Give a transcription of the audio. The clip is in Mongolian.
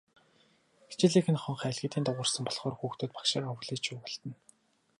Хичээлийн хонх аль хэдийн дуугарсан болохоор хүүхдүүд багшийгаа хүлээн шуугилдана.